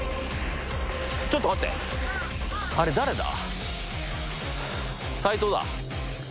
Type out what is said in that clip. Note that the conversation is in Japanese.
ちょっと待ってあれ誰だ？